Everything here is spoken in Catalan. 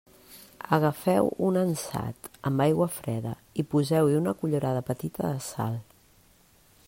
Agafeu un ansat amb aigua freda i poseu-hi una cullerada petita de sal.